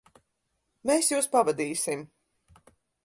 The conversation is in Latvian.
Mēs jūs pavadīsim.